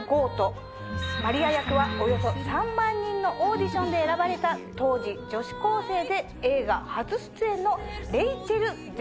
マリア役はおよそ３万人のオーディションで選ばれた当時女子高生で映画初出演の。